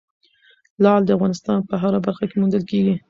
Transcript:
لعل د افغانستان په هره برخه کې موندل کېږي.